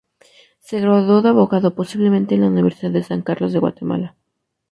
Se graduó de abogado, posiblemente en la Universidad de San Carlos de Guatemala.